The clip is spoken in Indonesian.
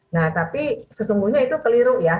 nah tapi sesungguhnya itu keliru ya